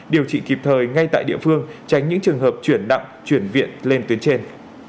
điều trị kịp thời ngay tại địa phương tránh những trường hợp chuyển nặng chuyển viện lên tuyến trên